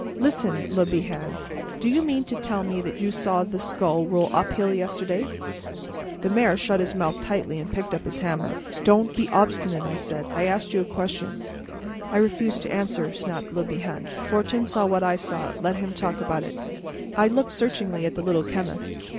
"Listen, Le Bihan: do you mean to tell me that you saw that skull roll uphill yesterday?" The mayor shut his mouth tightly and picked up his hammer. "Don't be obstinate," I said; "I asked you a question." "And I refuse to answer," snapped Le Bihan. "Fortin saw what I saw; let him talk about it." I looked searchingly at the little chemist.